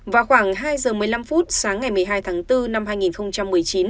vào khoảng hai giờ một mươi năm phút sáng ngày một mươi hai tháng bốn năm hai nghìn một mươi chín